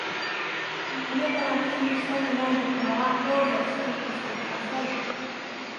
あなたが口にしたくない言葉は、どうぞ、スキップして下さい。